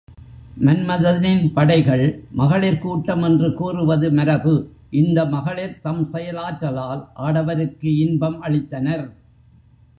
மன்மதனின் படைகள் மகளிர் கூட்டம் என்று கூறுவது மரபு இந்த மக்ளிர் தம் செயலாற்றலால் ஆடவருக்கு இன்பம் அளித்தனர்.